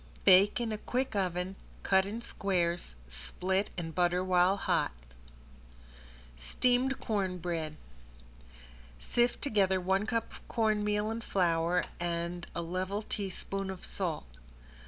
Bake in a quick oven, cut in squares, split and butter while hot. ~STEAMED CORN BREAD~ Sift together one cup cornmeal and flour and a level teaspoon of salt.